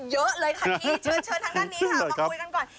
เยอะเลยค่ะพี่เชิญทางด้านนี้ค่ะมาคุยกันก่อน